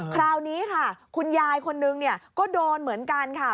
คราวนี้ค่ะคุณยายคนนึงเนี่ยก็โดนเหมือนกันค่ะ